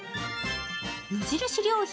無印良品